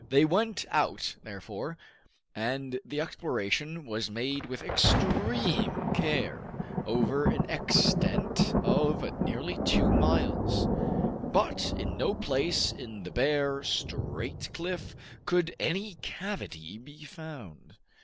They went out, therefore, and the exploration was made with extreme care, over an extent of nearly two miles. But in no place in the bare, straight cliff, could any cavity be found.